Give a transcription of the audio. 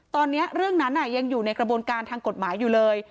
ตอนนี้เรื่องนั้นยังอยู่ในกระบวนการทางกฎหมายอยู่เลย